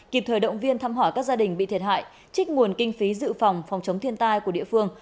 kịp thời động viên thăm hỏi các gia đình bị thiệt hại trích nguồn kinh phí dự phòng phòng chống thiên tai của địa phương